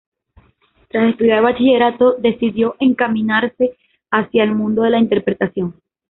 Tras estudiar Bachillerato, decidió encaminarse hacia el mundo de la interpretación.